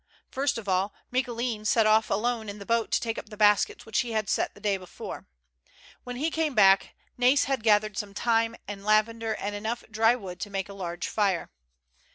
First of all Micoulin set off alone in the boat to take up the baskets which he had set the day before. When he came back Nais had gathered some thyme and lavender and enough MURDEROUS ATTEMPTS. 141 dry ^ood to make a large fire.